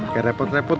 terima kasih sayang